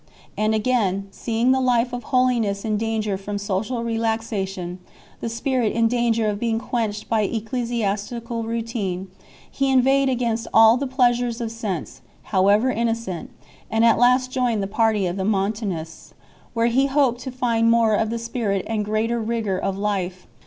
And again, seeing the life of holiness | CHAP. IV. in danger from social relaxation, the Spirit in danger of being quenched by ecclesiastical routine, he inveighed against all the pleasures of sense, however innocent, and at last joined the party of the Montanjsts, where he hoped to find more of the Spirit and greater rigour of life.